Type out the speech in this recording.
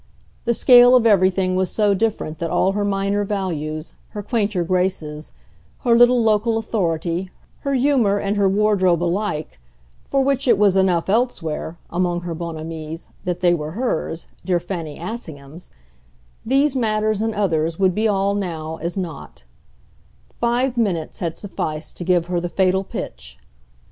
The scale of everything was so different that all her minor values, her quainter graces, her little local authority, her humour and her wardrobe alike, for which it was enough elsewhere, among her bons amis, that they were hers, dear Fanny Assingham's these matters and others would be all, now, as nought: five minutes had sufficed to give her the fatal pitch.